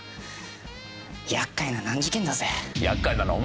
厄介な難事件だぜ。